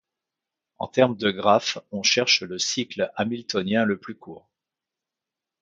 En termes de graphe, on cherche le cycle hamiltonien le plus court.